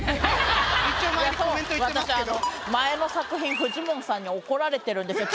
前の作品フジモンさんに怒られてるんですよ。